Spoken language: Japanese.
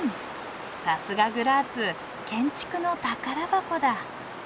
さすがグラーツ建築の宝箱だ。